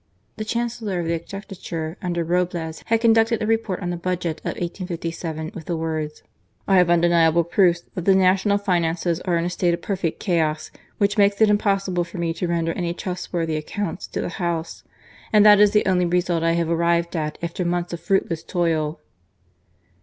The Chancellor of the Exchequer under Roblez had con cluded a report on the Budget of 1857 with the words :" I have undeniable proofs that the national finances are in a state of perfect chaos, which makes it impossible for me to render any trustworthy accounts to the House. And that is the only result I have arrived at, after months of fruitless toil."